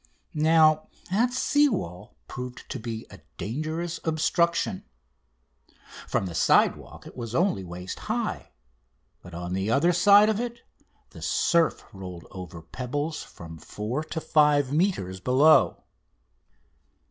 Now that sea wall proved to be a dangerous obstruction. From the side walk it was only waist high, but on the other side of it the surf rolled over pebbles from four to five metres below.